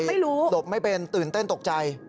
มือใหม่หลบไม่เป็นตื่นเต้นตกใจไม่รู้